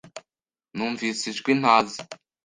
Numvise ijwi ntazi.